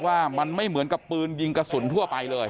ว่ามันไม่เหมือนกับปืนยิงกระสุนทั่วไปเลย